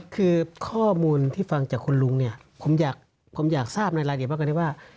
คือข้อมูลที่ฟังจากคุณลุงเนี่ยผมอยากทราบในรายละเอียดมากกว่านี้ว่า